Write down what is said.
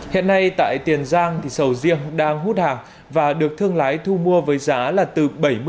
hiện nay tại tiền giang thì sầu riêng đang hút hàng và được thương lái thu mua với giá là từ bảy mươi